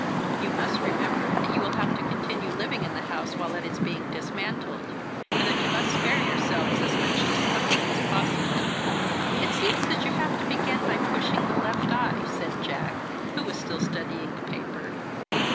You must remember that you will have to continue living in the house while it is being dismantled, and that you must spare yourselves as much discomfort as possible." "It seems that you have to begin by pushing the left eye," said Jack, who still was studying the paper.